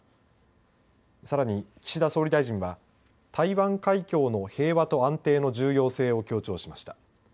さらに、岸田総理大臣は台湾海峡の平和と安定の重要性を強調しました。